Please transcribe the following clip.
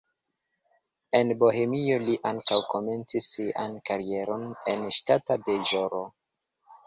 En Bohemio li ankaŭ komencis sian karieron en ŝtata deĵoro.